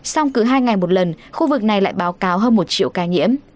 xong cứ hai ngày một lần khu vực này lại báo cáo hơn một triệu ca nhiễm